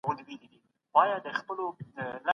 هغې د نورو د تګ یادونه کړې ده.